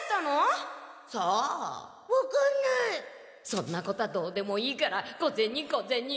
そんなことはどうでもいいから小ゼニ小ゼニ！